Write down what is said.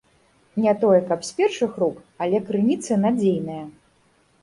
Не тое каб з першых рук, але крыніцы надзейныя.